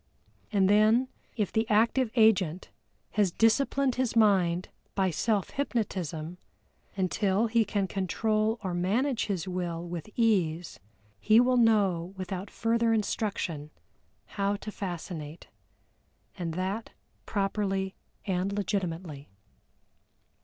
And then if the active agent has disciplined his mind by self hypnotism until he can control or manage his Will with ease, he will know without further instruction how to fascinate, and that properly and legitimately.